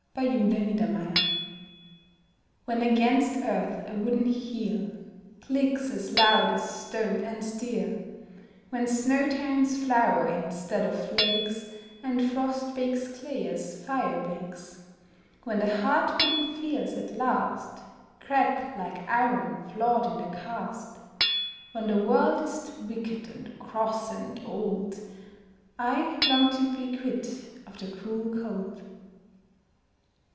WINTER SLEEP When against earth a wooden heel Clicks as loud as stone and steel, When snow turns flour instead of flakes, And frost bakes clay as fire bakes, When the hard bitten fields at last Crack like iron flawed in the cast, When the world is wicked and cross and old, I long to be quit of the cruel cold.